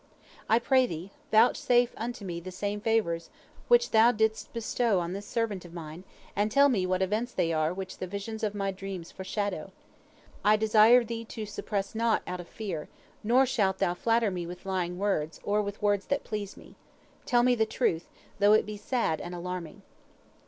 I pray thee, vouchsafe unto me the same favors which thou didst bestow on this servant of mine, and tell me what events they are which the visions of my dreams foreshow. I desire thee to suppress naught out of fear, nor shalt thou flatter me with lying words, or with words that please me. Tell me the truth, though it be sad and alarming."